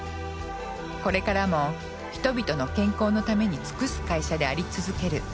これからも人々の健康のために尽くす会社であり続ける。